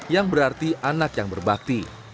yang berarti anak yang berbakti